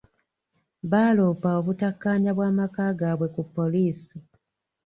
Baalopa okutakkaanya bw'amaka gaabwe ku poliisi.